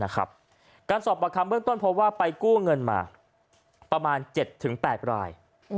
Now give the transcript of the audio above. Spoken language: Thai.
การสอบประคำเบื้องต้นพบว่าไปกู้เงินมาประมาณ๗๘ราย